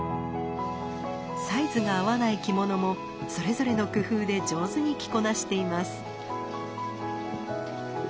サイズが合わない着物もそれぞれの工夫で上手に着こなしています。